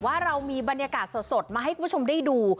ว่าเรามีบรรยากาศสดมาให้คุณผู้ชมได้ดู